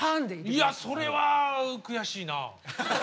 いやそれは悔しいな。